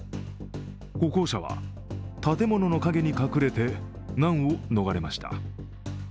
歩行者は建物の陰に隠れて難を逃れました。